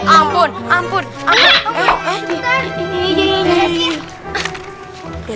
ampun ampun ampun